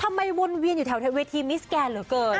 วนเวียนอยู่แถวเวทีมิสแกนเหลือเกิน